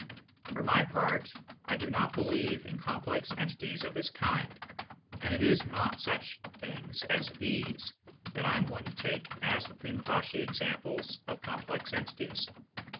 For my part, I do not believe in complex entities of this kind, and it is not such things as these that I am going to take as the prima facie examples of complex entities.